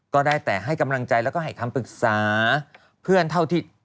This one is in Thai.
ก็ได้แต่ให้กำลังใจและก็ให้คำปรึกษา